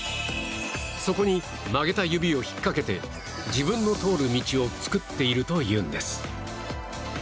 そこに曲げた指を引っかけて自分の通る道を作っているというんです。